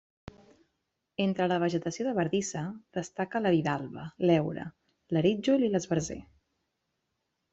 Entre la vegetació de bardissa, destaca la vidalba, l'heura, l'arítjol i l'esbarzer.